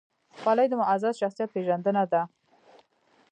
خولۍ د معزز شخصیت پېژندنه ده.